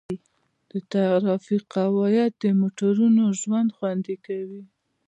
د ټرافیک قواعد د موټروانو ژوند خوندي کوي.